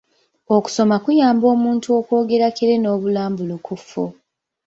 Okusoma kuyamba omuntu okwogera kyere n'obulambulukufu.